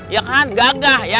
ya kan gagah ya